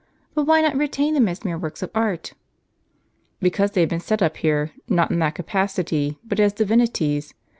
But why not retain them as mere works of art? "" Because they had been set up here, not in that capacity, but as divinities.